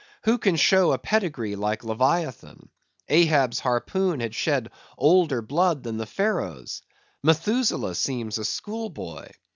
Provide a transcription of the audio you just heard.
Who can show a pedigree like Leviathan? Ahab's harpoon had shed older blood than the Pharaoh's. Methuselah seems a school boy.